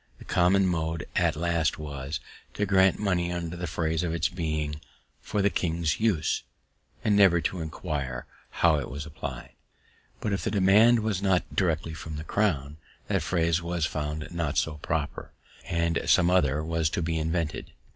The common mode at last was, to grant money under the phrase of its being "for the king's use," and never to inquire how it was applied. But, if the demand was not directly from the crown, that phrase was found not so proper, and some other was to be invented.